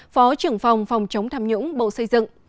phó trưởng phòng phòng chống tham nhũng bộ xây dựng